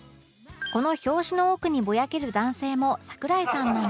この表紙の奥にぼやける男性も櫻井さんなんです